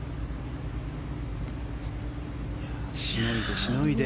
しのいで、しのいで。